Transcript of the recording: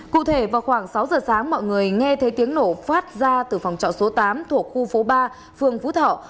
cụ thể vào khoảng sáu giờ sáng mọi người nghe thấy tiếng nổ phát ra từ phòng trọ số tám thuộc khu phố ba phường phú thọ